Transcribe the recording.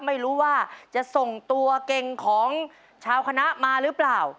ไม่รู้ว่าจะส่งตัวเก่งของชาวคณะมาหรือเปล่า